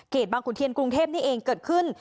บางขุนเทียนกรุงเทพนี่เองเกิดขึ้น